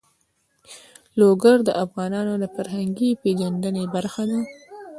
لوگر د افغانانو د فرهنګي پیژندنې برخه ده.